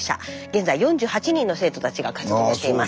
現在４８人の生徒たちが活動しています。